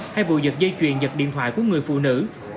hay vụ giật dây chuyền giật điện thoại của người phụ nữ